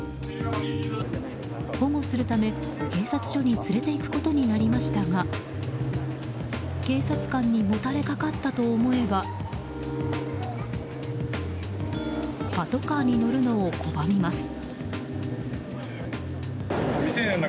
保護するため、警察署に連れていくことになりましたが警察官にもたれかかったと思えばパトカーに乗るのを拒みます。